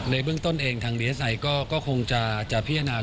ในเบื้องต้นเองทางดีเอสไอก็คงจะพิจารณา